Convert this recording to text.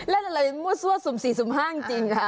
เล่นอะไรมั่วซั่วสุ่ม๔สุ่มห้าจริงค่ะ